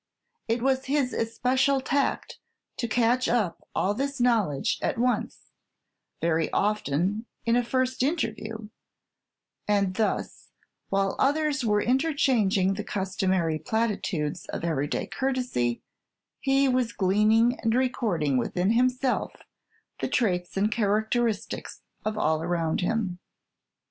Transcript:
It was his especial tact to catch up all this knowledge at once, very often in a first interview, and thus, while others were interchanging the customary platitudes of every day courtesy, he was gleaning and recording within himself the traits and characteristics of all around him.